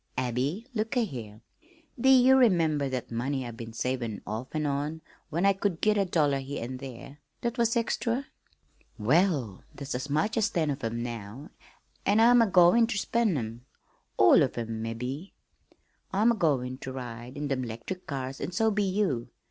"Abby, look a' here! Do ye remember that money I've been savin' off an' on when I could git a dollar here an' there that was extra? Well, there's as much as ten of 'em now, an' I'm agoin' ter spend 'em all of 'em mebbe. I'm agoin' ter ride in them 'lectric cars, an' so be you.